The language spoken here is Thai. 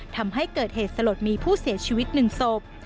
ทำให้เกิดเหตุสลดมีผู้เสียชีวิต๑ศพ